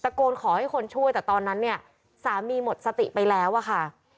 โกนขอให้คนช่วยแต่ตอนนั้นเนี่ยสามีหมดสติไปแล้วอะค่ะ